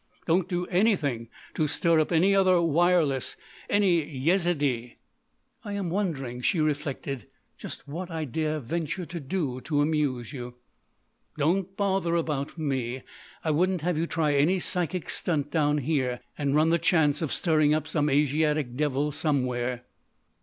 "Don't do anything to stir up any other wireless—any Yezidee——" "I am wondering," she reflected, "just what I dare venture to do to amuse you." "Don't bother about me. I wouldn't have you try any psychic stunt down here, and run the chance of stirring up some Asiatic devil somewhere!"